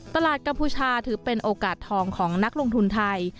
กัมพูชาถือเป็นโอกาสทองของนักลงทุนไทย